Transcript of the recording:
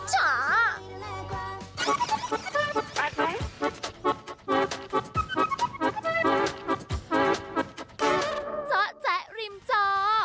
เฮ้ยอิจฉา